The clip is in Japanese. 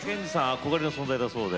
憧れの存在だそうで。